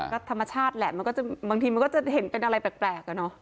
ก็ธรรมชาติแหละมันก็จะบางทีมันก็จะเห็นเป็นอะไรแปลกอะเนาะ